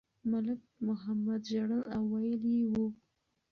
ملک محمد ژړل او ویلي یې وو.